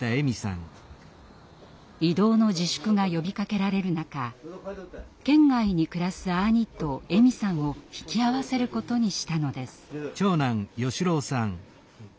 移動の自粛が呼びかけられる中県外に暮らす兄とエミさんを引き合わせることにしたのです。